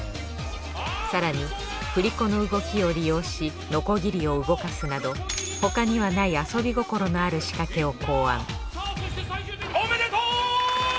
更に振り子の動きを利用しノコギリを動かすなど他にはない遊び心のある仕掛けを考案おめでとう！